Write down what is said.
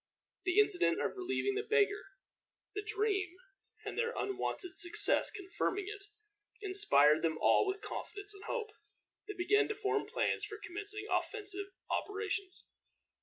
The incident of relieving the beggar, the dream, and their unwonted success confirming it, inspired them all with confidence and hope. They began to form plans for commencing offensive operations.